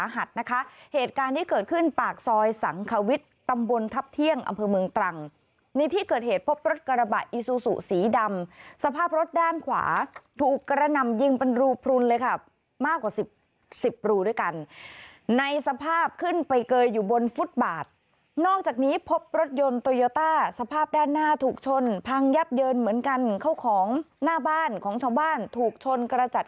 เหตุการณ์ที่เกิดขึ้นปากซอยสงขวิชตำบลทับเที่ยงอำเภอเมืองตรังในที่เกิดเหตุพบรถการบะอิซูสู่สีดำสภาพรถด้านขวารึเป็นรูปรุนเลยค่ะมากกว่าสิบ๑๐รูด้วยกันในสภาพขึ้นไปเกย์เกย์อยู่บนฟุตบาทนอกจากนี้พบรถยนต์ตอยวาต้าสภาพด้านหน้าถูกชนพังยับเลี้ยนเหมือนกันเข้าของหน